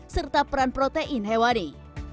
serta peran protein hewani